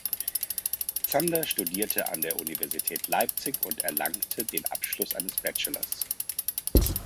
Zander studierte an der Universität Leipzig und erlangte den Abschluss eines Bachelors.